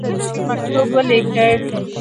کرښې مکتوب ولیکی.